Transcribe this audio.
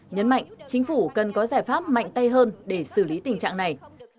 nhấn mạnh chính phủ cần có giải pháp mạnh tay hơn để xử lý tình trạng này